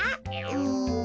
うん。